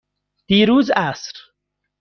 دیروز عصر.